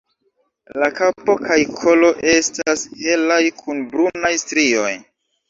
La kapo kaj kolo estas helaj kun brunaj strioj.